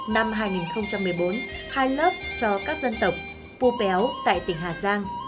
năm hai nghìn một mươi bốn hai lớp cho các dân tộc pupéo tại tỉnh hà giang